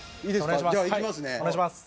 じゃあ、いきますね。